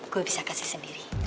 gue bisa kasih sendiri